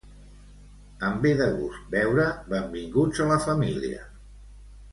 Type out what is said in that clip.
Em ve de gust veure "Benvinguts a la família".